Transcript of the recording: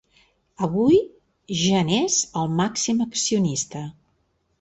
Avui ja n’és el màxim accionista.